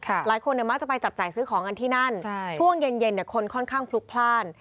หลายคนมากจะไปจับจ่ายซื้อของกันที่นั่นช่วงเย็นคนค่อนข้างพลุกพลาด